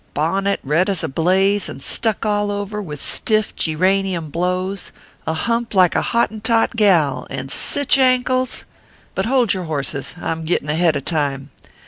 Bonnet red as a blaze, and stuck all over with stiff geeranium blows, a hump like a Hottentot gal, and sich ankles ! but hold your horses, I m gettin ahead of time.